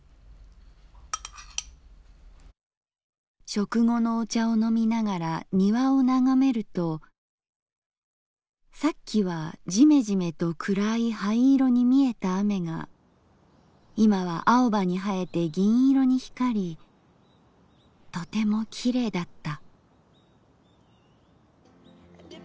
「食後のお茶をのみながら庭を眺めるとさっきはジメジメと暗い灰色に見えた雨がいまは青葉に映えて銀色に光りとてもきれいだった」。